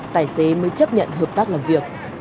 tài xế mới chấp nhận hợp tác làm việc